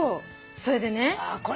それでね